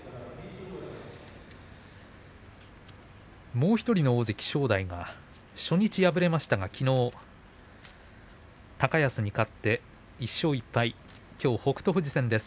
もう１人の大関正代が初日敗れましたがきのう高安に勝って１勝１敗きょう北勝富士戦です。